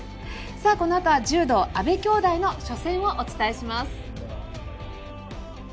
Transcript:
このあとは柔道阿部兄妹の初戦をお伝えします。